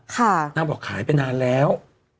นางบอกขายไปนานแล้ว